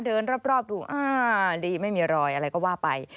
เดินรอบดูอ่าดีไม่มีรอยอะไรก็ว่าไป